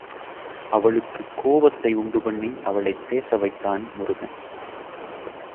அவளுக்கு கோபத்தை உண்டுபண்ணி அவளைப் பேச வைத்தான் முருகன்.